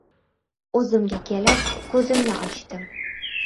O‘zimga kelib, ko‘zimni ochdim.